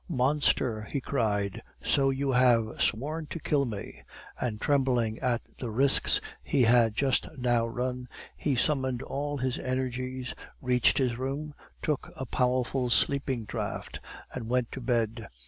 "Monster!" he cried, "so you have sworn to kill me!" and trembling at the risks he had just now run, he summoned all his energies, reached his room, took a powerful sleeping draught, and went to bed.